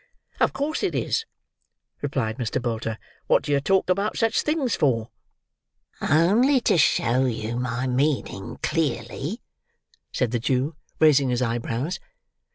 "Of course it is," replied Mr. Bolter. "What do yer talk about such things for?" "Only to show you my meaning clearly," said the Jew, raising his eyebrows.